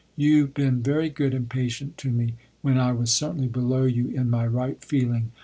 You been very good and patient to me, when I was certainly below you in my right feeling.